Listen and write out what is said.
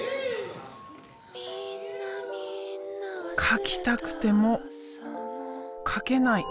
描きたくても描けない。